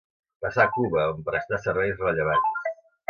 Passà a Cuba, on prestà serveis rellevants.